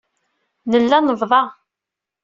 Nella nebṭa.